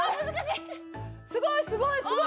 すごいすごいすごい。